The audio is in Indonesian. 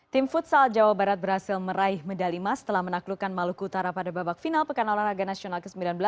tim futsal jawa barat berhasil meraih medali emas setelah menaklukkan maluku utara pada babak final pekan olahraga nasional ke sembilan belas